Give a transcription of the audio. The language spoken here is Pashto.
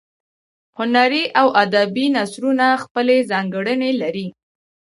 هنري او ادبي نثرونه خپلې ځانګړنې لري.